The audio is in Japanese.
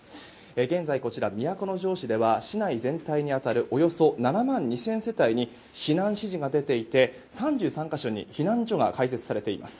現在、都城市では市内全体に当たるおよそ７万２０００世帯に避難指示が出ていて、３３か所に避難所が開設されています。